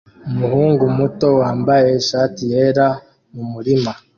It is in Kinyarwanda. Umuhungu muto wambaye ishati yera mumurima